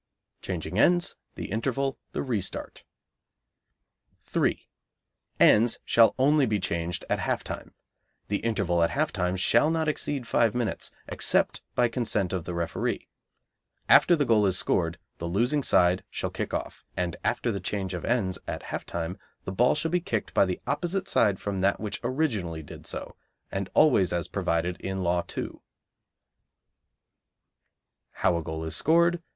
Changing Ends. The Interval. The Re start. 3. Ends shall only be changed at half time. The interval at half time shall not exceed five minutes, except by consent of the referee. After the goal is scored, the losing side shall kick off, and after the change of ends at half time, the ball shall be kicked off by the opposite side from that which originally did so; and always as provided in Law 2. How a Goal is Scored.